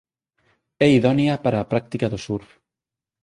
É idónea para a práctica do surf.